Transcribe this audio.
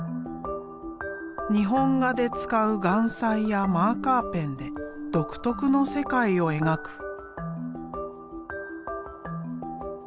日本画で使う顔彩やマーカーペンで独特の世界を描く。